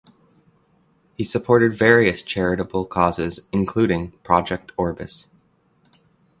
He supported various charitable causes including Project Orbis.